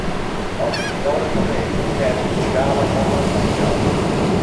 El vint-i-nou de febrer en Cesc irà a la Pobla de Sant Miquel.